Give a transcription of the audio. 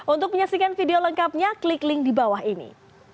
untuk menyaksikan video lengkapnya klik link di bawah ini